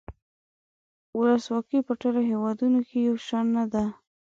ولسواکي په ټولو هیوادونو کې یو شان نده.